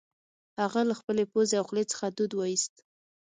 هغه له خپلې پوزې او خولې څخه دود وایوست